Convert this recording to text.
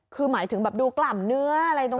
คือหมายถึงแบบดูกล่ำเนื้ออะไรตรง